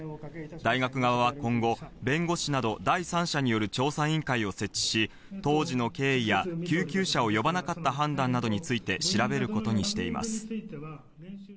大学側は今後、弁護士など、第三者による調査委員会を設置し、当時の経緯や救急車を呼ばなかった判断などについて、調べることにしています。